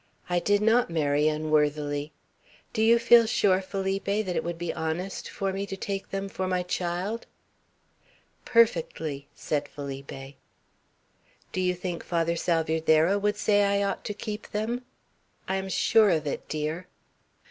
I did not marry unworthily. Do you feel sure, Felipe, that it would be honest for me to take them for my child?" "Perfectly," said Felipe. "Do you think Father Salvierderra would say I ought to keep them?" "I am sure of it, dear."